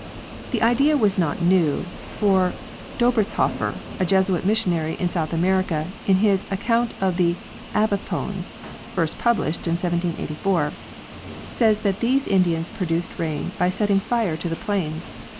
The idea was not new, for Dobrizhoffer, a Jesuit missionary in South America, in his " Account of the Abipones" (first published in 1784), says that these Indians produce rain by setting fire to the plains.